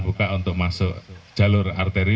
buka untuk masuk jalur arteri